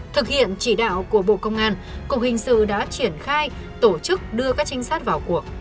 thực hiện chỉ đạo của bộ công an cục hình sự đã triển khai tổ chức đưa các trinh sát vào cuộc